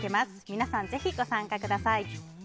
皆さんのぜひご参加ください。